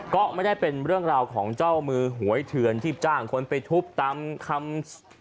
ก็ไม่ได้เป็นเรื่องราวของเจ้ามือหวยเถื่อนที่จ้างคนไปทุบตามคำ